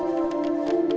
saya akan mengambil alih